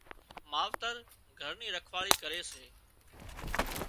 ماوتر گھر نِي رکواۯي ڪري سي